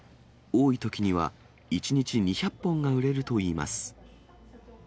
多いときには１日２００本が売れるといいます。